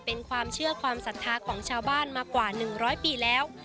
เป็นความเชื่อความศรัทธาของชาวบ้านมากว่า๑๐๐ปีแล้ว